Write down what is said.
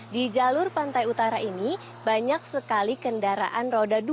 di jalur pantai utara ini banyak sekali kendaraan roda dua